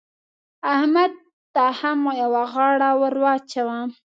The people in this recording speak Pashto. احمده! ته هم يوه غاړه ور واچوه.